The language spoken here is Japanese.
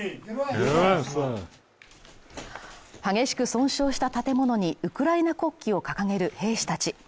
激しく損傷した建物にウクライナ国旗を掲げる兵士たち。